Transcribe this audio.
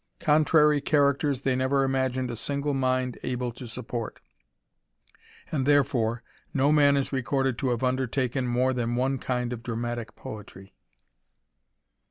Contrary characters they never imagined a single mind able to support, and therefore no man is recorded to have undertaken more than one kind of dramatick poetry.